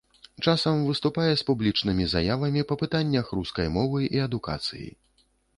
Часам выступае з публічнымі заявамі па пытаннях рускай мовы і адукацыі.